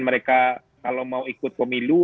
mereka kalau mau ikut pemilu